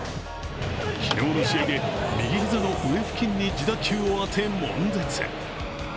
昨日の試合で右膝の上付近に自打球を当て、悶絶。